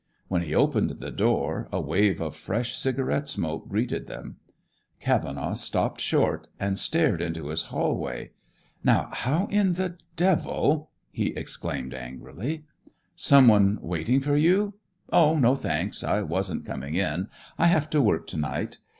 When he opened the door, a wave of fresh cigarette smoke greeted them. Cavenaugh stopped short and stared into his hallway. "Now how in the devil !" he exclaimed angrily. "Someone waiting for you? Oh, no, thanks. I wasn't coming in. I have to work to night.